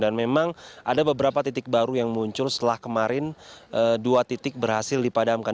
dan memang ada beberapa titik baru yang muncul setelah kemarin dua titik berhasil dipadamkan